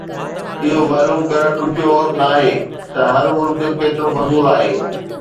اهو معلوم ڪرڻ ڏکيو ناهي ته هر ملڪ ڪيترو فضول آهي